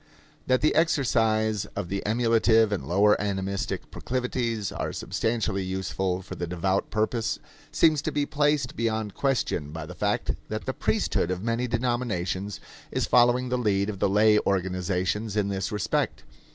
That the exercise of the emulative and lower animistic proclivities are substantially useful for the devout purpose seems to be placed beyond question by the fact that the priesthood of many denominations is following the lead of the lay organizations in this respect.